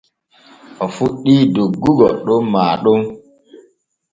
O fuɗɗi doggugo ɗon maa ɗon.